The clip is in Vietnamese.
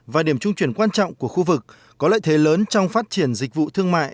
và điểm trung chuyển quan trọng của khu vực có lợi thế lớn trong phát triển dịch vụ thương mại